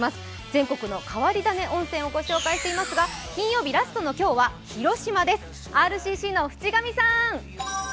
全国の変わり種温泉をご紹介していますが金曜日、ラストの今日は広島です。